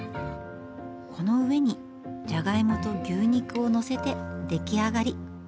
この上にじゃがいもと牛肉を載せて出来上がり。